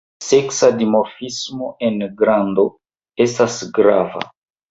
Seksa dimorfismo en grando estas grava.